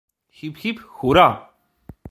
Hip, hip, hura!